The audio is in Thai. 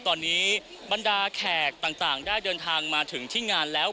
ตอนนี้บรรดาแขกต่างได้เดินทางมาถึงที่งานแล้ว